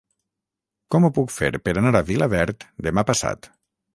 Com ho puc fer per anar a Vilaverd demà passat?